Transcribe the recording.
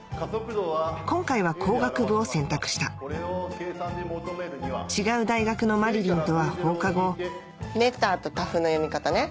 今回は工学部を選択した違う大学のまりりんとは放課後ＭＥＴＡＲとＴＡＦの読み方ね。